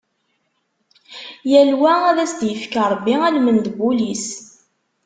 Yal wa, ad as-d-yefk Ṛebbi almend n wul-is.